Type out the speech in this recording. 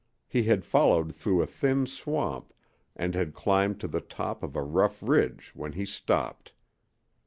He had followed through a thin swamp and had climbed to the top of a rough ridge when he stopped.